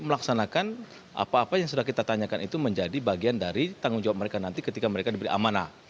melaksanakan apa apa yang sudah kita tanyakan itu menjadi bagian dari tanggung jawab mereka nanti ketika mereka diberi amanah